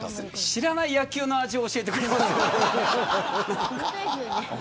知らない野球の味を教えてくれますね。